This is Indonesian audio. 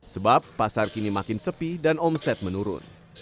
sebab pasar kini makin sepi dan omset menurun